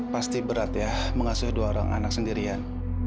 pasti berat ya mengasuh dua orang anak sendirian